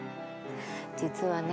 実はね